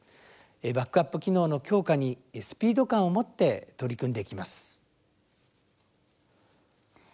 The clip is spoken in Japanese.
バックアップ機能の強化にスピード感をもって取り組んでいきます。